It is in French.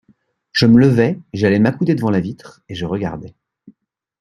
Je me levai, j’allai m’accouder devant la vitre, et je regardai.